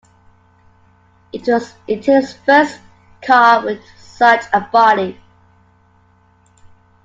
It was Italy's first car with such a body.